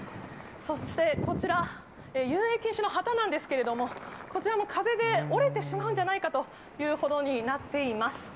そして、こちら遊泳禁止の旗なんですけれども、こちらも風で折れてしまうんじゃないかというほどになっています。